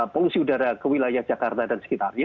polusi udara ke wilayah jakarta dan sekitarnya